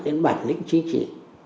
đến bản lĩnh chính trị